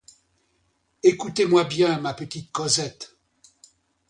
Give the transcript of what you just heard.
Écoute-moi bien, ma petite Cosette.